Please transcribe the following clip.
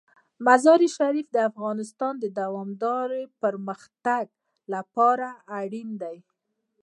مزارشریف د افغانستان د دوامداره پرمختګ لپاره اړین دي.